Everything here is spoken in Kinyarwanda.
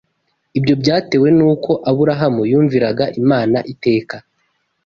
Ibyo byatewe n’uko Aburahamu yumviraga Imana iteka